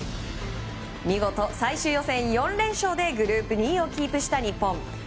見事、最終予選４連勝でグループ２位をキープした日本。